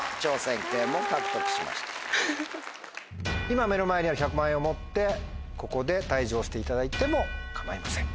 今目の前にある１００万円を持ってここで退場していただいても構いません。